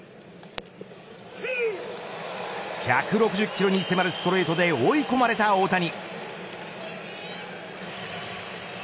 １６０キロに迫るストレートで追い込まれた大谷。